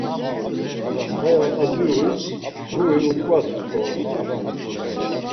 Haya adziruis guri ut̆ǩvatsu t̆ora.